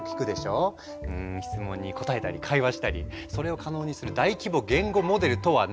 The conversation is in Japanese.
質問に答えたり会話したりそれを可能にする大規模言語モデルとは何か？